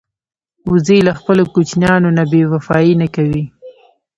وزې له خپلو کوچنیانو نه بېوفايي نه کوي